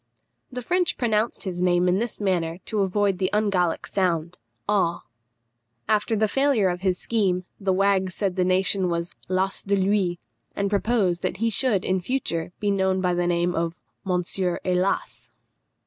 The French pronounced his name in this manner to avoid the ungallic sound, aw. After the failure of his scheme, the wags said the nation was lasse de lui, and proposed that he should in future be known by the name of Monsieur He_las_!